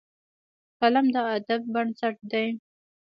قلم د ادب بنسټ دی